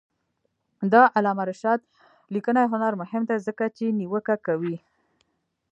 د علامه رشاد لیکنی هنر مهم دی ځکه چې نیوکه کوي.